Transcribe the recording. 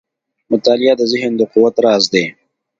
• مطالعه د ذهن د قوت راز دی.